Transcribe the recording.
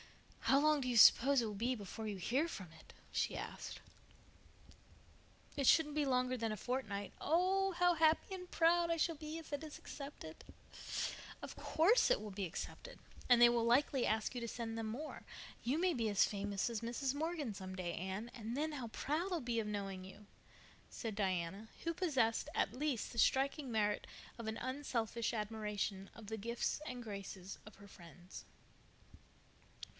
"How long do you suppose it will be before you hear from it?" she asked. "It shouldn't be longer than a fortnight. Oh, how happy and proud I shall be if it is accepted!" "Of course it will be accepted, and they will likely ask you to send them more. You may be as famous as Mrs. Morgan some day, Anne, and then how proud I'll be of knowing you," said Diana, who possessed, at least, the striking merit of an unselfish admiration of the gifts and graces of her friends.